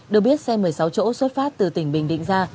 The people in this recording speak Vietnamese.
được biết xe một mươi sáu chỗ xuất phát từ tỉnh bình định ra